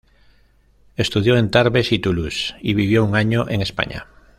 Estudió en Tarbes y Toulouse, y vivió un año en España.